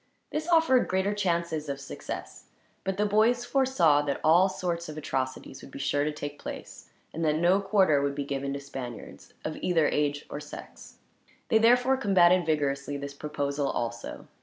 This offered greater chances of success, but the boys foresaw that all sorts of atrocities would be sure to take place, and that no quarter would be given to Spaniards of either age or sex. They therefore combated vigorously this proposal, also.